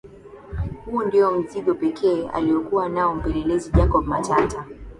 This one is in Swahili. Huo ndio mzigo pekee aliokua nao mpelelezi Jacob Matata